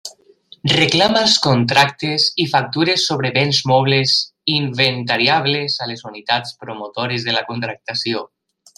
Reclama els contractes i factures sobre béns mobles inventariables a les unitats promotores de la contractació.